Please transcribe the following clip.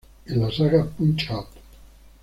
En la saga "Punch-Out!!